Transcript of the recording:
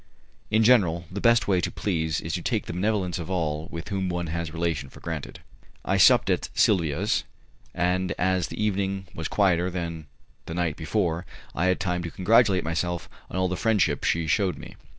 In general, the best way to please is to take the benevolence of all with whom one has relation for granted. I supped at Silvia's, and as the evening was quieter than the night before, I had time to congratulate myself on all the friendship they shewed me.